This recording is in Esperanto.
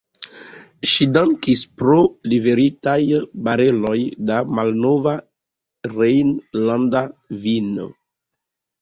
Ŝi dankis pro liveritaj bareloj da malnova rejnlanda vino.